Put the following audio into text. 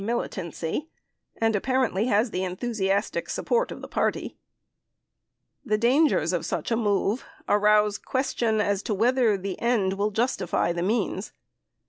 262 50, 13 Hearings 5677. s? IUd. 399 militancy, and apparently has the enthusiastic support of the party. The dangers of such a move arouse question as to whether the end will justify the means.